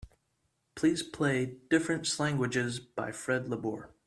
Please play Different Slanguages by Fred Labour.